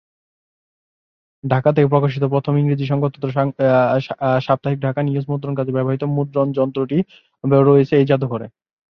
ঢাকা থেকে প্রকাশিত প্রথম ইংরেজি সংবাদপত্র সাপ্তাহিক ‘ঢাকা নিউজ’ মুদ্রণ কাজে ব্যবহৃত মুদ্রণ যন্ত্রটি রয়েছে এই জাদুঘরে।